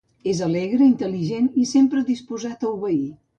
És alegre, intel·ligent i sempre disposat a obeir.